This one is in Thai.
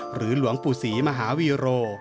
หลวงปู่ศรีมหาวีโร